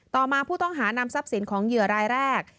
ต่อมาผู้ต้องหานำทรัพย์สินของเหยื่อรายแรก